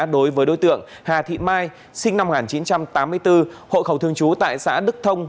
đối với đối tượng hà thị mai sinh năm một nghìn chín trăm tám mươi bốn hộ khẩu thường trú tại xã đức thông